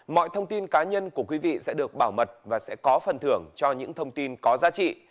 mọi thông tin cá nhân của quý vị sẽ được bảo mật và sẽ có phần thưởng cho những thông tin có giá trị